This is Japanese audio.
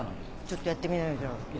ちょっとやってみなよじゃあ。